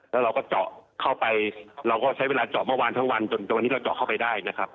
แล้วเราก็เจาะเข้าไปเราก็ใช้เวลาเจาะเมื่อวานทั้งวันจนวันนี้เราเจาะเข้าไปได้นะครับ